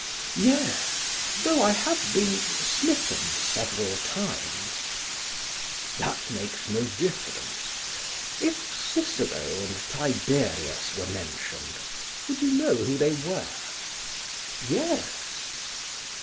"Yes, though I have been smitten several times." "That makes no difference. If Cicero and Tiberius were mentioned would you know who they were?" "Yes."